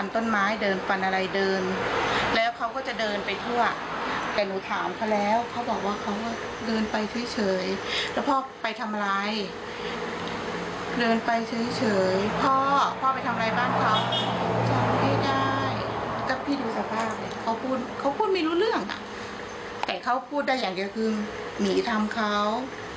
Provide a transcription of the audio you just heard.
แต่เขาพูดได้อย่างเดี๋ยวคือหมีทำเขา